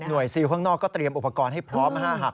ซิลข้างนอกก็เตรียมอุปกรณ์ให้พร้อมหัก